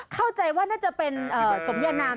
เข้าใจว่าน่าจะเป็นสมยานาม